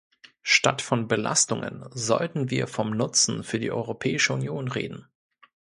Statt von Belastungen sollten wir vom Nutzen für die Europäische Union reden.